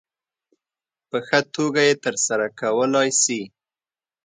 په ښه توګه یې ترسره کولای شي.